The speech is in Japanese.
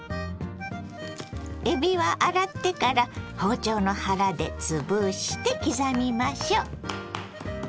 えびは洗ってから包丁の腹で潰して刻みましょ。